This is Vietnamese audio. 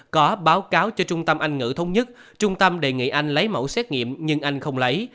có báo cáo cho trung tâm anh ngữ thống nhất trung tâm đề nghị anh lấy mẫu xét nghiệm nhưng anh không lấy